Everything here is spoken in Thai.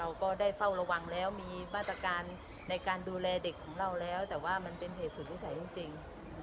เราก็ได้เฝ้าระวังแล้วมีมาตรการในการดูแลเด็กของเราแล้วแต่ว่ามันเป็นเหตุสุดวิสัยจริง